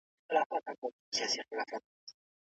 مسواک وهل د غاښونو درد ته ګټه رسوي.